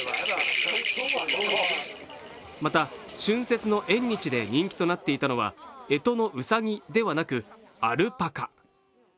また、春節の縁日で人気となっていたのは、えとのうさぎではなく、アルパカ。